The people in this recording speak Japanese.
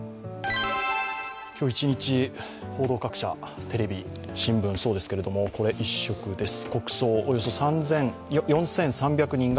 今日一日、報道各社テレビ、新聞そうなんですけどこれ一色です。